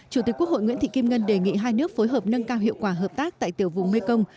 chủ tịch quốc hội nguyễn thị kim ngân đề nghị hai nước phối hợp nâng cao hiệu quả hợp tác tại tiểu vùng mekong